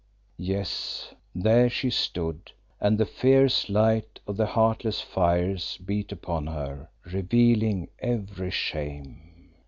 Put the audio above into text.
Yes, there she stood, and the fierce light of the heartless fires beat upon her, revealing every shame.